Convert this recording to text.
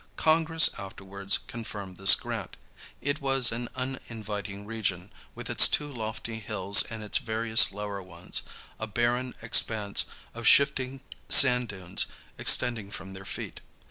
Congress afterwards confirmed this grant. It was an uninviting region, with its two lofty hills and its various lower ones, a barren expanse of shifting sand dunes extending from their feet.